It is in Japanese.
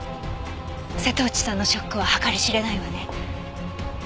瀬戸内さんのショックは計り知れないわね。